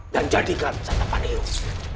dan jadikan satapadeus